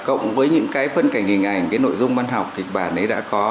cộng với những cái phân cảnh hình ảnh cái nội dung văn học kịch bản ấy đã có